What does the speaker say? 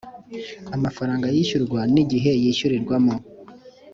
amafaranga yishyurwa n igihe yishyurirwamo